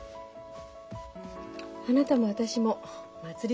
あなたも私も祭り